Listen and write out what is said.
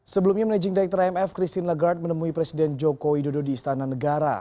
sebelumnya managing director imf christine lagarde menemui presiden joko widodo di istana negara